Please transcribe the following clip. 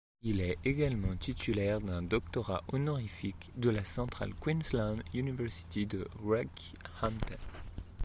Il est également titulaire d'un doctorat honorifique de la Central Queensland University de Rockhampton.